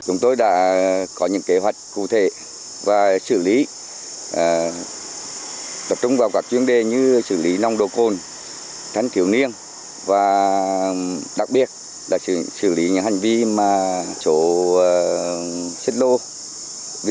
chúng tôi đã có những kế hoạch cụ thể và xử lý tập trung vào các chuyến đề như xử lý nông đồ côn thánh thiểu niên và đặc biệt là xử lý những hành vi mà chúng tôi đã xử lý